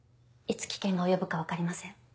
いつ危険が及ぶか分かりません。